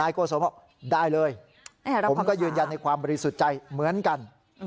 โกศลบอกได้เลยผมก็ยืนยันในความบริสุทธิ์ใจเหมือนกัน